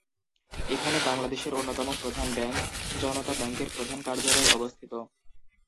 এখানে বাংলাদেশের অন্যতম প্রধান ব্যাংক, জনতা ব্যাংকের প্রধান কার্যালয় অবস্থিত।